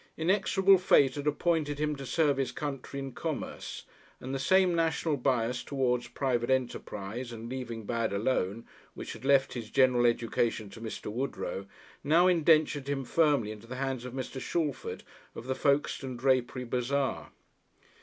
Inexorable fate had appointed him to serve his country in commerce, and the same national bias towards private enterprise and leaving bad alone, which entrusted his general education to Mr. Woodrow, now indentured him firmly into the hands of Mr. Shalford, of the Folkestone Drapery Bazaar.